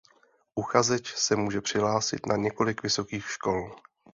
Uchazeč se může přihlásit na několik vysokých škol.